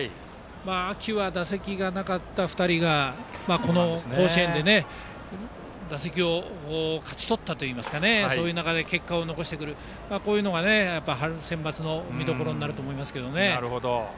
秋は打席がなかった２人がこの甲子園で打席を勝ち取ったといいますかそういう中で結果を残してこういうのが春のセンバツの見どころになると思います。